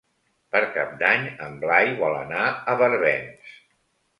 Per Cap d'Any en Blai vol anar a Barbens.